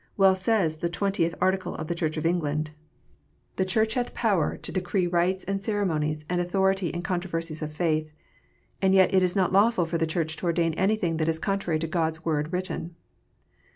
Well says the Twentieth Article of the Church of England :" The Church hath power to decree rites and cere WORSHIP. 283 monies, and authority in controversies of faith. And yet it is not lawful for the Church to ordain anything that is contrary to God s Word written."